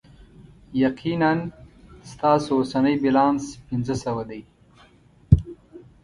یقینا، ستاسو اوسنی بیلانس پنځه سوه دی.